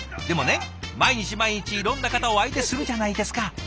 でもね毎日毎日いろんな方を相手するじゃないですか。